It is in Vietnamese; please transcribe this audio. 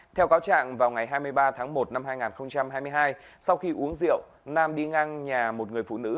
theo cáo trạng vào ngày hai mươi ba tháng một năm hai nghìn hai mươi hai sau khi uống rượu nam đi ngang nhà một người phụ nữ